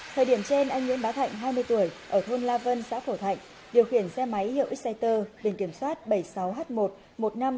thời điểm trên anh nguyễn bá thạnh hai mươi tuổi ở thôn la vân xã phổ thạnh điều khiển xe máy hiệu x sighter